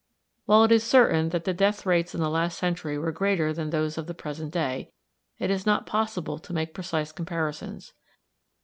While it is certain that the death rates in the last century were greater than those of the present day, it is not possible to make precise comparisons.